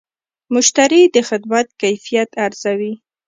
مشتری د خدمت کیفیت ارزوي.